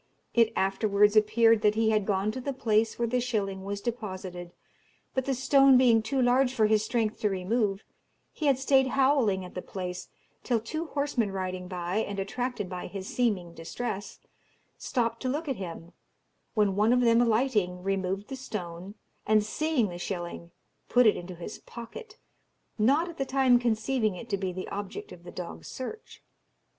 It afterwards appeared that he had gone to the place where the shilling was deposited, but the stone being too large for his strength to remove, he had stayed howling at the place till two horsemen riding by, and attracted by his seeming distress, stopped to look at him, when one of them alighting, removed the stone, and seeing the shilling, put it into his pocket, not at the time conceiving it to be the object of the dog's search.